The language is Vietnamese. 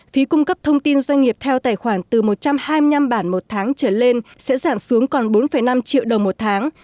phí cung cấp thông tin doanh nghiệp theo tài khoản từ một trăm hai mươi năm bản một tháng trở lên sẽ giảm xuống còn bốn năm triệu đồng một tháng